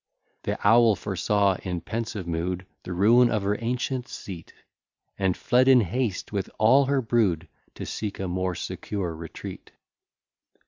The owl foresaw, in pensive mood, The ruin of her ancient seat; And fled in haste, with all her brood, To seek a more secure retreat.